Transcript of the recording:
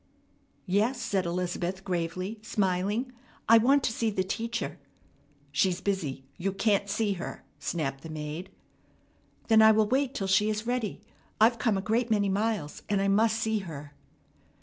"Yes," said Elizabeth gravely, smiling. "I want to see the teacher." "She's busy. You can't see her," snapped the maid. "Then I will wait till she is ready. I've come a great many miles, and I must see her."